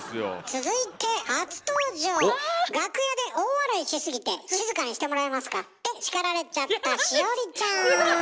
続いて楽屋で大笑いしすぎて「静かにしてもらえますか」って叱られちゃったすごい！